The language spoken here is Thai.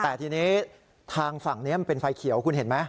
แต่ทีนี้ทางฝั่งนี้มันเป็นไฟเขียวคุณเห็นไหม